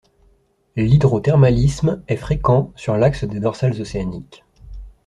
L'hydrothermalisme est fréquent sur l'axe des dorsales océaniques.